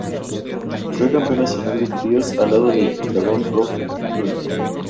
Fue Campeón Nacional de Trios a lado de Dragon Rojo Jr.